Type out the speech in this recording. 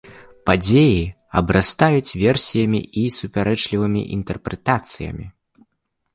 Падзеі абрастаюць версіямі і супярэчлівымі інтэрпрэтацыямі.